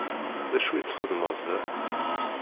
D acu i txeddmeḍ da?